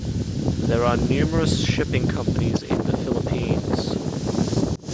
There are numerous shipping companies in the Philippines.